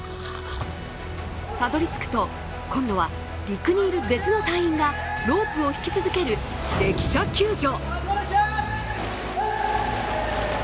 たどりつくと、今度は陸にいる別の隊員がロープを引き続ける溺者救助。